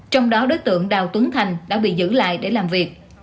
trong đó đối tượng đào tuấn thành đã bị giữ lại để làm việc